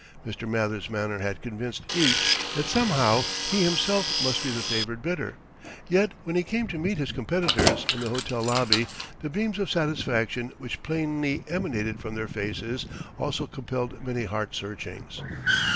Mr. Mather's manner had convinced each that somehow he himself must be the favoured bidder, yet when he came to meet his competitors in the hotel lobby the beams of satisfaction which plainly emanated from their faces also compelled many heart searchings.